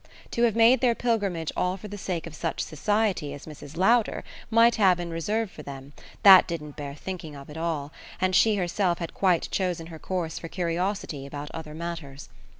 To have made their pilgrimage all for the sake of such society as Mrs. Lowder might have in reserve for them that didn't bear thinking of at all, and she herself had quite chosen her course for curiosity about other matters.